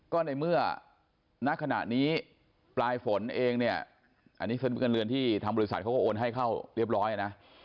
ก็ในเมื่อณขณะนี้ปลายฝนเองเนี่ยอันนี้เงินเดือนที่ทางบริษัทเขาก็โอนให้เข้าเรียบร้อยนะ